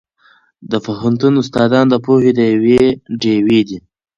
د پوهنتون استادان د پوهې ډیوې دي.